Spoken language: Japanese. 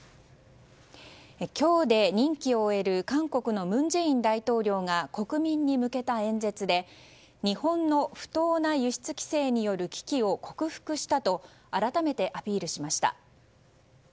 今日で任期を終える韓国の文在寅大統領が国民に向けた演説で日本の不当な輸出規制による危機を克服したと改めてアピールしました。